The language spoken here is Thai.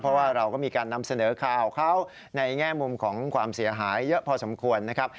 เพราะว่าเราก็มีการนำเสนอข่าวเขาในแง่มุมของความเสียหายเยอะพอสมควรนะครับ